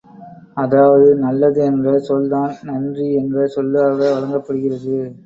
அதாவது நல்லது என்ற சொல்தான் நன்றி என்ற சொல்லாக வழங்கப் பெறுகிறது.